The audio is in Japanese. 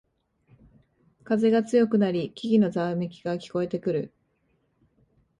風が強くなり木々のざわめきが聞こえてくる